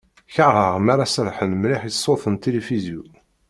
Kerheɣ mi ara serḥen mliḥ i ṣṣut n tilifizyu.